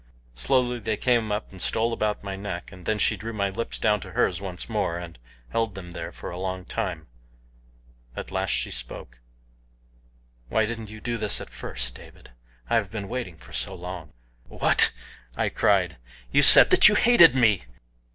Slowly they came up and stole about my neck, and then she drew my lips down to hers once more and held them there for a long time. At last she spoke. "Why didn't you do this at first, David? I have been waiting so long." "What!" I cried. "You said that you hated me!"